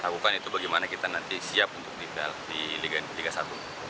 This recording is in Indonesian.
bukan itu bagaimana kita nanti siap untuk di liga satu